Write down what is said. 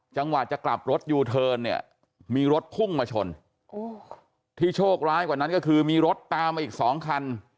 จังหวะจะกลับรถยูเทิร์นเนี่ยมีรถพุ่งมาชนที่โชคร้ายกว่านั้นก็คือมีรถตามมาอีกสองคัน